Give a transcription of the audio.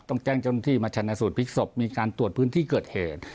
ต้องแจ้งเจ้าหน้าที่มาชนะสูตรพลิกศพมีการตรวจพื้นที่เกิดเหตุ